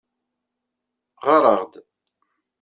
Ɣɣar-aɣ-d.